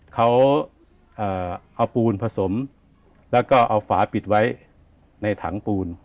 เขาเอาปูนผสมแล้วก็เอาฝาปิดไว้ในถังปูน